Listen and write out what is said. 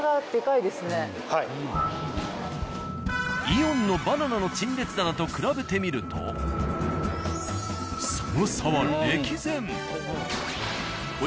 「イオン」のバナナの陳列棚と比べてみるとその差は歴然。